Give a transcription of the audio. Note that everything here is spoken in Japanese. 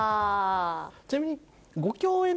ちなみに。